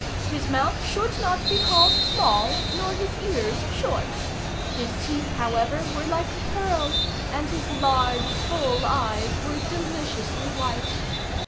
His mouth should not be called small, nor his ears short. His teeth, however, were like pearl, and his large full eyes were deliciously white.